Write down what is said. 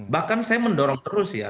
bahkan saya mendorong terus ya